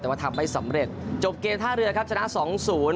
แต่ว่าทำไม่สำเร็จจบเกมท่าเรือครับชนะสองศูนย์